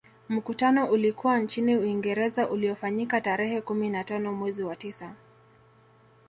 Mkutano ulikuwa nchini Uingereza uliofanyika tarehe kumi na tano mwezi wa tisa